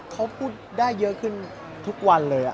เขาพูดได้เยอะขึ้นทุกวันเลย